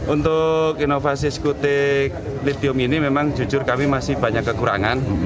untuk inovasi skutik lidium ini memang jujur kami masih banyak kekurangan